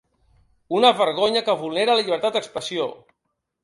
Una vergonya que vulnera la llibertat d’expressió!